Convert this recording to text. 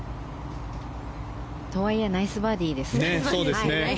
とはいえナイスバーディーですね。